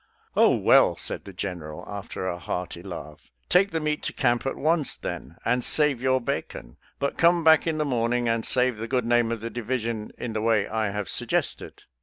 " Oh, well," said the General, after a hearty laugh, " take the meat to camp at once, then, and save your bacon ; but come back in the morning and save the good name of the division in the way I have suggested."